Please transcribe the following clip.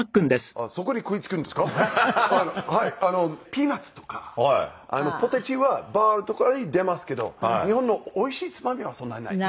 ピーナツとかポテチはバーとかで出ますけど日本のおいしいつまみはそんなにないですよ。